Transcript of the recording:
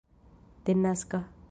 denaska